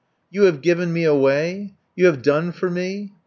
"You have given me away? You have done for me?"